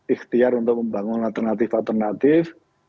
ikhtiar untuk membangun alternatif alternatif